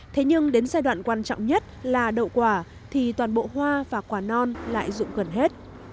thế nhưng đến giai đoạn quan trọng nhất là đậu quả thì toàn bộ hoa và quả non lại dụng gần hết